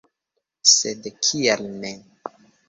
Sed kial ne?